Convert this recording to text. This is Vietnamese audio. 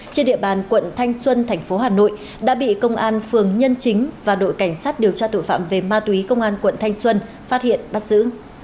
trên địa bàn quận thanh xuân thành phố hà nội đã bị công an phường nhân chính và đội cảnh sát điều tra tội phạm về ma túy công an quận thanh xuân phát hiện bắt giữ